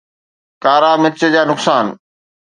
ڪارا مرچ جا نقصان